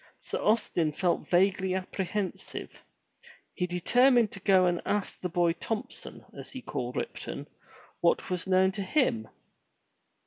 Sir Austin felt vaguely apprehensive. He determined to go and ask the boy Thompson, as he called Ripton, what was known to him.